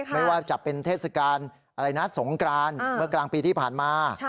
ไม่ว่าจะเป็นเทศกาลอะไรนะสงกรานเมื่อกลางปีที่ผ่านมา